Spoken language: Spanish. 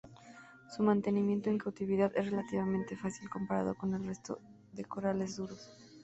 Su mantenimiento en cautividad es relativamente fácil, comparado con el resto de corales duros.